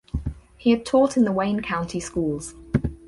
He had taught in the Wayne County schools.